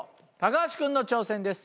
橋君の挑戦です。